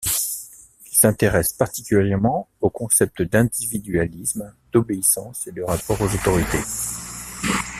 Il s’intéresse particulièrement aux concepts d'individualisme, d’obéissance et de rapport aux autorités.